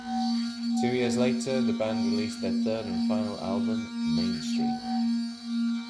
Two years later, the band released their third and final album, "Mainstream".